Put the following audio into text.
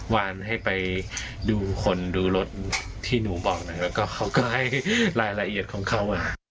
วานให้ไปดูคนดูรถที่หนูบอกแล้วก็ให้รายละเอียดของเขา